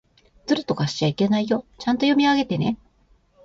ずるとかしちゃいけないよ。ちゃんと読み上げてね。